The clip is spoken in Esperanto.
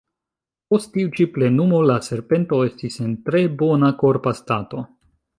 Post tiu ĉi plenumo la serpento estis en tre bona korpa stato.